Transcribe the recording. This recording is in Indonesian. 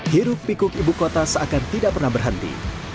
hirup pikuk ibu kota seakan tidak pernah berhenti